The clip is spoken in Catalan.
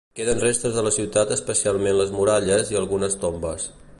Queden restes de la ciutat especialment les muralles i algunes tombes.